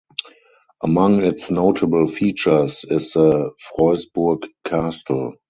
Among its notable features is the Freusburg castle.